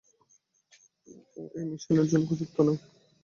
ও এই মিশনের জন্য উপযুক্ত নয়।